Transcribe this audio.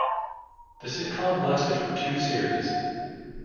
The sitcom lasted for two series.